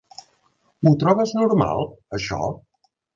Ho trobes normal, això?